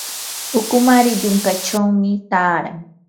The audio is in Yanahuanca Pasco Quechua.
ukumari yunkachawmi taaran.